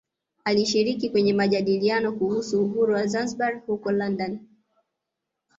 Alishiriki kwenye majadiliano kuhusu uhuru wa Zanzibar huko London